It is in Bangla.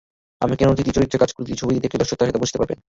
আমি কেন অতিথি চরিত্রে কাজ করছি, ছবিটি দেখলেই দর্শক সেটা বুঝতে পারবেন।